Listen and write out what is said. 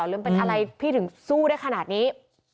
แล้วเป็นอะไรถึงสู้ได้ขนาดนี้